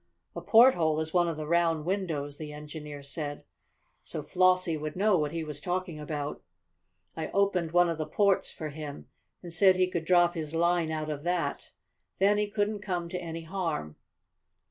A porthole is one of the round windows," the engineer said, so Flossie would know what he was talking about. "I opened one of the ports for him, and said he could drop his line out of that. Then he couldn't come to any harm."